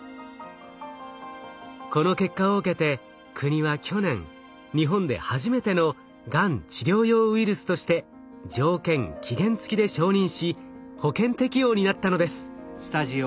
この結果を受けて国は去年日本で初めてのがん治療用ウイルスとして条件・期限付きで承認し保険適用になったのです。